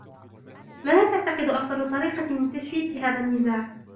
ماذا تعتقد أفضل طريقة لتسوية هذا النزاع ؟